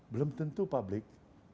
belum tentu publik